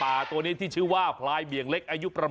มาครั้งนี้มันจะมากินกินขนุนครับ